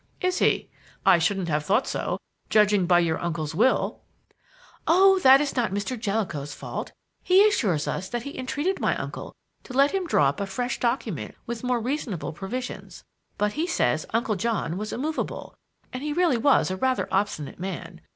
"Is he? I shouldn't have thought so, judging by your uncle's will." "Oh, but that is not Mr. Jellicoe's fault. He assures us that he entreated my uncle to let him draw up a fresh document with more reasonable provisions. But he says Uncle John was immovable; and he really was a rather obstinate man.